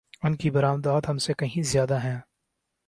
ان کی برآمدات ہم سے کہیں زیادہ ہیں۔